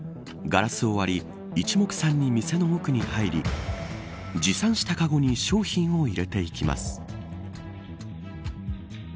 ガラスを割り一目散に店の奥に入り持参したかごに商品を入れていきます。